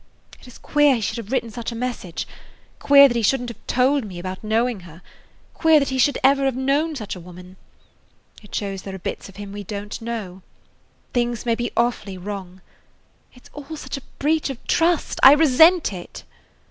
It is queer he should have written such a message, queer that he should n't have told me about knowing her, queer that he ever should have known such a woman. It shows there are bits of him we don't know. Things may be awfully wrong. It 's all such a breach of trust! I resent it."